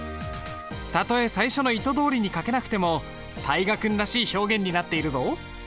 たとえ最初の意図どおりに書けなくても大河君らしい表現になっているぞ。